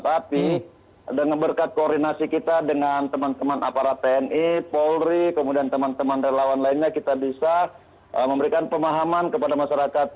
tapi dengan berkat koordinasi kita dengan teman teman aparat tni polri kemudian teman teman relawan lainnya kita bisa memberikan pemahaman kepada masyarakat